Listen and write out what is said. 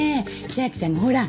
千明ちゃんがほら。